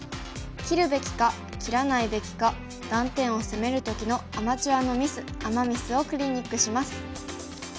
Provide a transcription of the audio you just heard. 切るべきか切らないべきか断点を攻める時のアマチュアのミスアマ・ミスをクリニックします。